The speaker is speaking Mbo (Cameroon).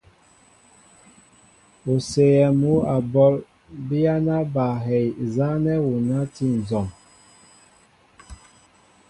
O séyɛɛ mŭ a ɓɔl, biyana ba hɛy nzanɛɛ awuna a ti nzɔm.